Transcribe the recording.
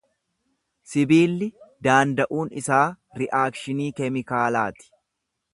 Sibiilli daanda’uun isaa ri'aakshinii keemikaalaati.